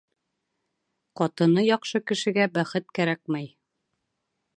Ҡатыны яҡшы кешегә бәхет кәрәкмәй